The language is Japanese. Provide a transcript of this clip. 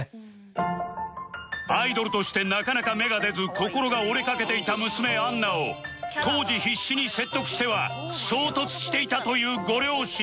アイドルとしてなかなか芽が出ず心が折れかけていた娘杏奈を当時必死に説得しては衝突していたというご両親